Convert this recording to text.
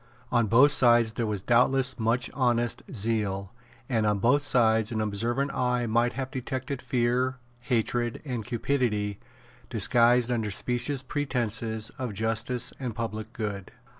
On both sides there was doubtless much honest zeal; and on both sides an observant eye might have detected fear, hatred, and cupidity disguised under specious pretences of justice and public good.